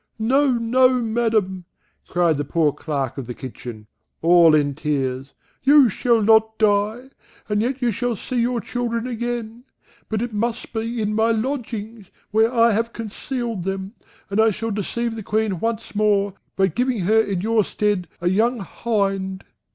"No, no, Madam," cried the poor clerk of the kitchen, all in tears, "you shall not die, and yet you shall see your children again; but it must be in my lodgings, where I have concealed them, and I shall deceive the Queen once more, by giving her in your stead a young hind."